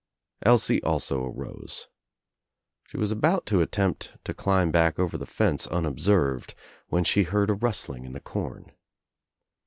Elsie also arose. She was about to attempt to climb back over the fence un observed when she heard a rustling in the corn.